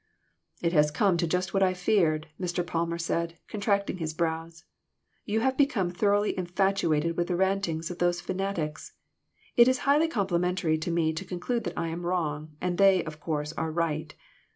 "It has come to just what I had feared," Mr. Palmer said, contracting his brows; "you have become thoroughly infatuated with the rantings of those fanatics. It is highly complimentary to me to conclude that I am wrong, and they, of course, are right.